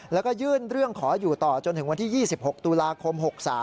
แล้วก็ยื่นเรื่องขออยู่ต่อจนถึงวันที่๒๖ตุลาคม๖๓